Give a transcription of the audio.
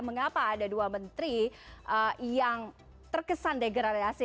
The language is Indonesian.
mengapa ada dua menteri yang terkesan degradasi